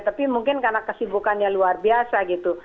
tapi mungkin karena kesibukannya luar biasa gitu